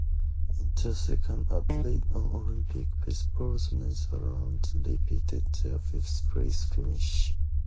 In their second appearance in Olympic baseball, The Netherlands repeated their fifth-place finish.